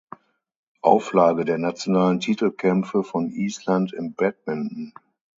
Auflage der nationalen Titelkämpfe von Island im Badminton.